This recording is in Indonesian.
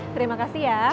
terima kasih ya